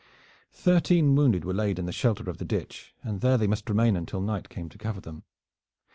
Thirteen wounded were laid in the shelter of the ditch, and there they must remain until night came to cover them.